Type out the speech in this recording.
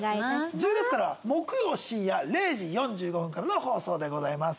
１０月からは木曜深夜０時４５分からの放送でございます。